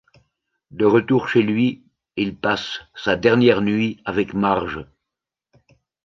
De retour chez lui, il passe sa dernière nuit avec Marge.